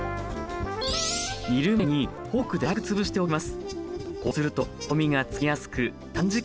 煮る前にフォークで粗くつぶしておきます。